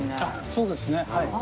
そうですねはい。